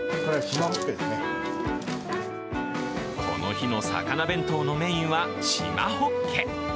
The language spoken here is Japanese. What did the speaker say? この日の魚弁当のメインはシマホッケ。